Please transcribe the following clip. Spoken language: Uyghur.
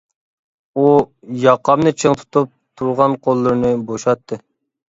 ئۇ ياقامنى چىڭ تۇتۇپ تۇرغان قوللىرىنى بوشاتتى.